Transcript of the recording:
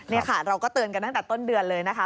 นี่ค่ะเราก็เตือนกันตั้งแต่ต้นเดือนเลยนะคะ